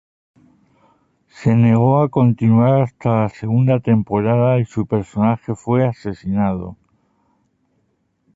Se negó a continuar hasta la segunda temporada y su personaje fue asesinado.